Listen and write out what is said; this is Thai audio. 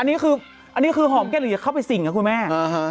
อันนี้คืออันนี้คือหอมแก้หรืออย่าเข้าไปสิ่งนะคุณแม่